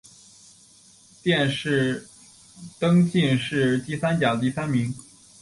殿试登进士第三甲第三名。